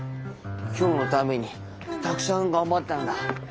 今日のためにたくさん頑張ったんだ。